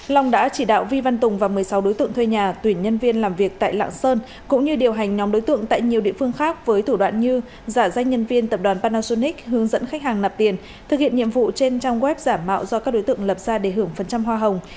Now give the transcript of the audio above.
long đã chỉ đạo vi văn tùng và một mươi sáu đối tượng thuê nhà tuyển nhân viên làm việc tại lạng sơn cũng như điều hành nhóm đối tượng tại nhiều địa phương khác với thủ đoạn như giả danh nhân viên tập đoàn panasonic hướng dẫn khách hàng nạp tiền thực hiện nhiệm vụ trên trang web giả mạo do các đối tượng lập ra để hưởng phần trăm hoa hồng